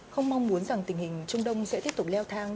không mong muốn rằng tình hình trung đông sẽ tiếp tục leo thang